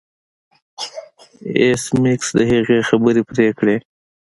ایس میکس د هغې خبرې پرې کړې